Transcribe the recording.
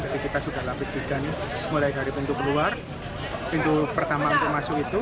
jadi kita sudah lapis tiga mulai dari pintu keluar pintu pertama untuk masuk itu